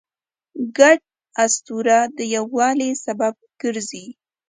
ګډ اسطوره د یووالي سبب ګرځي.